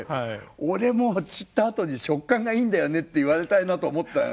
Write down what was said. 俺も散ったあとに触感がいいんだよねって言われたいなと思ったよ。